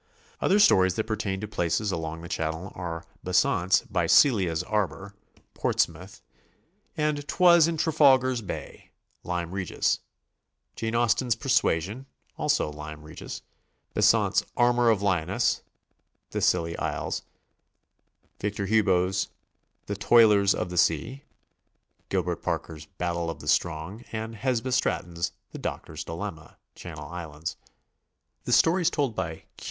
Other stories that pertain to places along the Channel are Besant's "By Celia's Atbor," Portsmouth, 250 GOING ABROAD? and " 'Twas in Trafalgar's Bay," Lyme Regis; Jane Austen's "Persuasion," also Lyme Regis; Besant's "Armorel of Lyon^ nesse," the Scilly Isles; Victor Hugo's "The Toilers of the Sea," Gilbert Parker's "Battle of the Strong," and Hesba Stratton's "The Doctor's Dilemma," Channel Islands. The stories told by "Q."